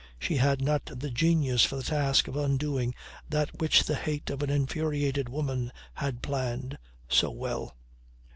She had not the genius for the task of undoing that which the hate of an infuriated woman had planned so well.